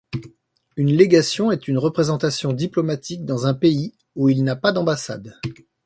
Une légation est une représentation diplomatique dans un pays où il n'a pas d'ambassade.